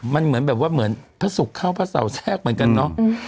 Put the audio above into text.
มันเหมือนแบบว่าเหมือนพระศุกร์เข้าพระเสาแทรกเหมือนกันเนอะ